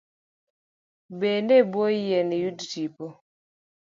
Bed e bwo yien iyud tipo